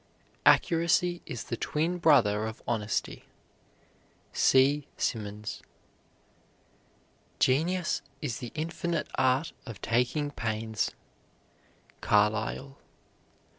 Accuracy is the twin brother of honesty. C. SIMMONS. Genius is the infinite art of taking pains. CARLYLE.